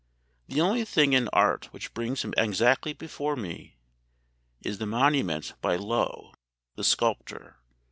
The only thing in art which brings him exactly before me is the monument by Lough, the sculptor.